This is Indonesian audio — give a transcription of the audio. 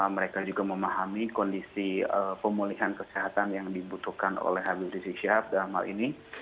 mereka juga memahami kondisi pemulihan kesehatan yang dibutuhkan oleh habib rizik syihab dalam hal ini